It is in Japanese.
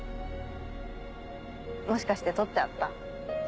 もしかして取ってあった？